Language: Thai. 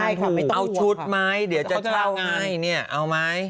ได้ค่ะไม่ต้องหัวค่ะเอาชุดไหมเดี๋ยวจะเช่าไงเอาไหม